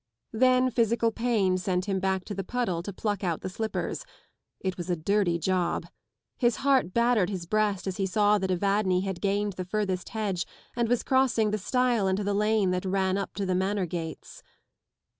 Then physical pain sent him back to the puddle to pluck out the slippers ; it was a dirty job. His heart battered his breast as he saw that Evadne had gained the furthest hedge and was crossing the stile into the lane that ran up to the Manor gates.